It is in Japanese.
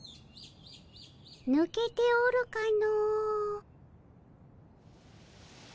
ぬけておるかの。